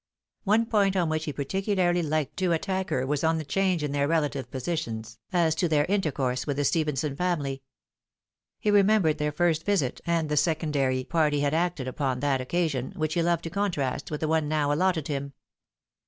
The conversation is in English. One point on which he particularly liked to attack her was on the change in their relative positions, as to their intercourse AN IMPOSSIBLE SLIGHT. 193 ■with the Stephenson family. He remembered their first visit, and the secondary part he had acted upon that occasion, which he loved to contrast with the one now allotted him.